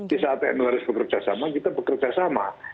di saat nu harus bekerjasama kita bekerjasama